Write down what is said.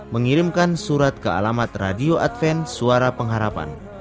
mengirimkan surat ke alamat radio advent suara pengharapan